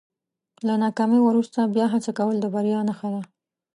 له ناکامۍ وروسته بیا هڅه کول د بریا نښه ده.